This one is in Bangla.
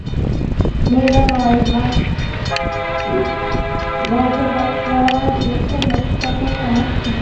মেয়েরা নয় মাস গর্ভে বাচ্চা রেখে লক্ষ টাকা কামাচ্ছে।